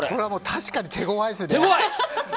確かに手ごわいですね。